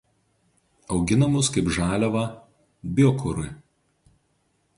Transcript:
auginamus kaip žaliavą biokurui